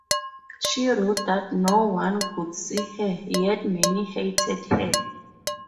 She wrote that no one could see her, yet many hated her.